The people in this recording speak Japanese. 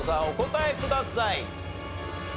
お答えください。